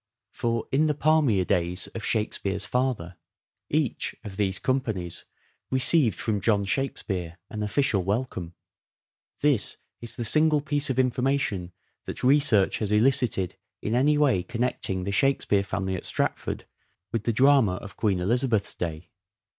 For, in the palmier days of Shakspere's father " each (of these companies) received from John Shakspere an official welcome." This is the single piece of informa tion that research has elicited in any way connecting the Shakspere family at Stratford with the drama of Queen Elizabeth's day.